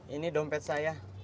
ini dompet saya